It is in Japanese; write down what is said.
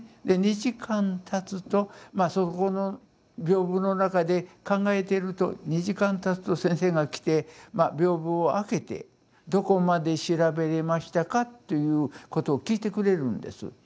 で２時間たつとまあそこの屏風の中で考えていると２時間たつと先生が来て屏風を開けてどこまで調べれましたかということを聞いてくれるんです。